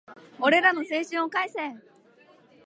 俺らの青春を返せ